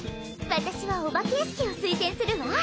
私はお化け屋敷を推薦するわ。